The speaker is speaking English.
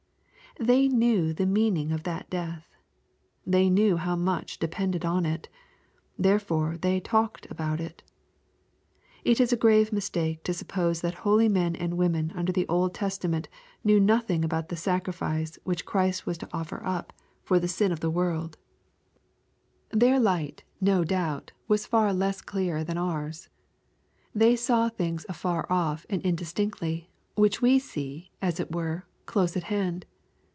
'' They knew the meaning of that death. They knew how much depended on it. There fore they " talked*' about it. It is a grave mistake to suppose that holy men and women under the Old Testament knew nothing about the sacrifi(*.e which Christ was to offer up for the sin of i i LTTKB, CHAP. IX. 817 the wor.i Their light, no^oubt, was far less clear than ours. They saw thiogs afar off and indistinctly, which we see, as it were, close at hand.